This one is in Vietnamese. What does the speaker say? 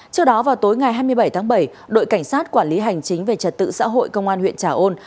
trước đó vào tối ngày hai mươi bảy tháng bảy đội cảnh sát quản lý hành chính về trật tự xã hội công an huyện trà ôn